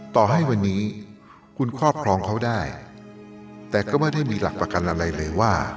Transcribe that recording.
ต่อให้วันนี้คุณครอบครองเขาได้แต่ก็ไม่ได้มีหลักประกันอะไรเลยว่า